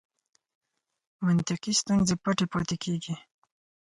منطقي ستونزې پټې پاتې کېږي.